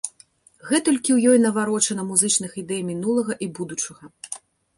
Гэтулькі ў ёй наварочана музычных ідэй мінулага і будучага.